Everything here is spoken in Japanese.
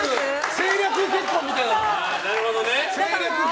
政略結婚みたいな。